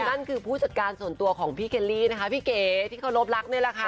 นั่นคือผู้จัดการส่วนตัวของพี่เคลลี่นะคะพี่เก๋ที่เคารพรักนี่แหละค่ะ